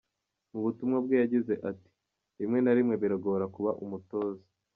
Mu butumwa bwe yagize ati “Rimwe na rimwe biragora kuba umutoza.